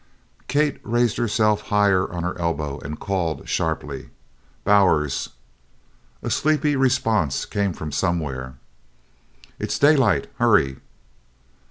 Kate raised herself higher on her elbow and called sharply: "Bowers?" A sleepy response came from somewhere. "It's daylight hurry!"